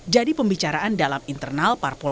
jadi pembicaraan dalam internal parpolis